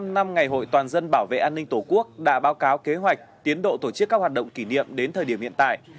một mươi năm năm ngày hội toàn dân bảo vệ an ninh tổ quốc đã báo cáo kế hoạch tiến độ tổ chức các hoạt động kỷ niệm đến thời điểm hiện tại